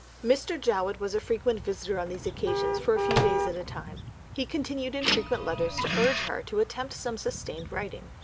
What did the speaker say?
II Mr. Jowett was often a visitor on these occasions for a few days at a time. He continued in frequent letters to urge her to attempt some sustained writing.